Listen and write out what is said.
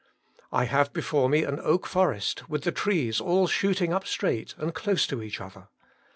I have before me an oak forest with the trees all shooting up straight and close to each other.